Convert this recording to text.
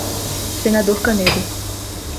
Senador Canedo